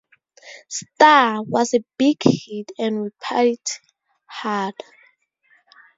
"Star" was a big hit and we partied hard.